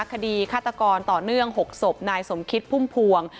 ฆาตกรต่อเนื่อง๖ศพนายสมคิดพุ่มพวง